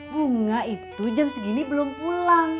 bunga itu jam segini belum pulang